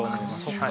そっか。